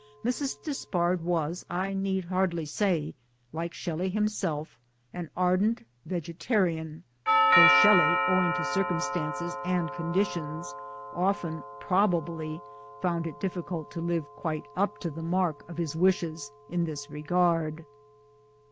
Mrs. Despard was, I need hardly say, like Shelley himself, an ardent vegetarian though Shelley, owing to circumstances and con ditions, often probably found it difficult to live quite up to the mark of his wishes in this respect.